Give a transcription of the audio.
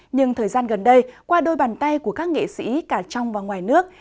nhưng thời gian gần đây qua đôi bàn tay của các nghệ sĩ cả trong và ngoài nước